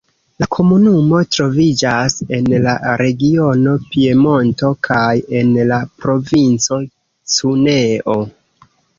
La komunumo troviĝas en la regiono Piemonto kaj en la Provinco Cuneo.